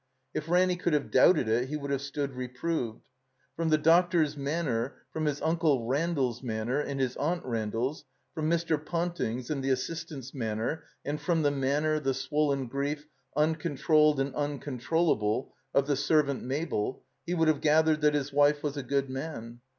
If Ranny could have doubted it he would have stood reproved. From the doctor's manner, from his Uncle Randall's manner and his Atmt Ran dall's, from Mr. Ponting's and the assistant's man ner, and from the manner, the swollen grief, uncon trolled and uncontrollable, of the servant Mabel, he would have gathered that his father was a good man.